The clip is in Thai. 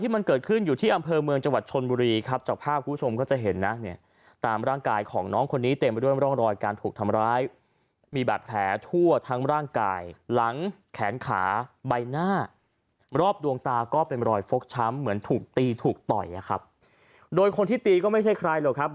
มีแบบแหล่ทั่วทั้งร่างกายหลังแขนขาใบหน้ารอบดวงตาก็เป็นรอยฟกช้ำเหมือนถูกตีถูกต่อยนะครับ